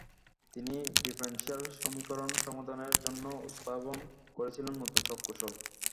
তিনি ডিফারেনশিয়াল সমীকরন সমাধানের জন্য উদ্ভাবন করেছিলেন নতুন সব কৌশল।